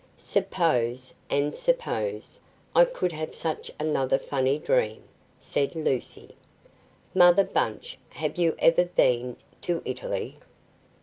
"SUPPOSE and suppose I could have such another funny dream," said Lucy. "Mother Bunch, have you ever been to Italy?"